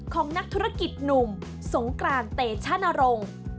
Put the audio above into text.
ของนักธุรกิจหนุ่มสงกรานเตชนรงค์